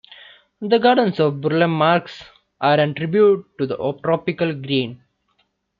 The gardens of Burle Marx are an tribute to the tropical green.